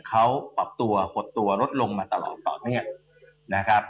เขาปรับตัวหดตัวลดลงมาตลอดต่อเนื่องนะครับ